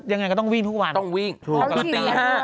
อย่างไรก็ต้องวิ่งทุกวันเค้าที่เรียนด้วยต้องวิ่ง